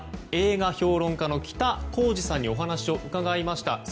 映画評論家の北小路さんにお話を伺いました。